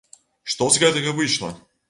Што з гэтага выйшла?